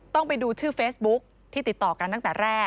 ไปดูชื่อเฟซบุ๊กที่ติดต่อกันตั้งแต่แรก